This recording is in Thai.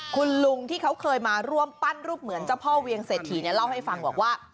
คุณลุงที่เขาเคยมาร่วมปั้นรูปเหมือนเจ้าพ่อเวียงเศรษฐีเนี่ยเล่าให้ฟังบอกว่า